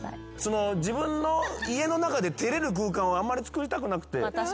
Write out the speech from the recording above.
自分の家の中で照れる空間をあんまりつくりたくなくて。